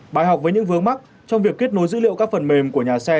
bài học với những vướng mắt trong việc kết nối dữ liệu các phần mềm của nhà xe